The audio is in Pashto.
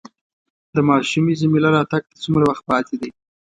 د ماشومې جميله راتګ ته څومره وخت پاتې دی؟